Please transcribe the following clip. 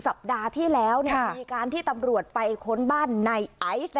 สัปดาห์ที่แล้วมีการที่ตำรวจไปค้นบ้านในไอซ์